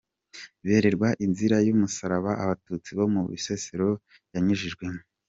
Berekwa inzira y’umusaraba Abatutsi bo mu Bisesero yanyujijwemo.